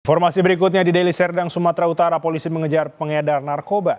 informasi berikutnya di deli serdang sumatera utara polisi mengejar pengedar narkoba